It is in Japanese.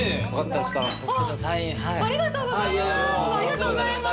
ありがとうございます。